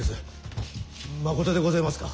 まことでごぜえますか？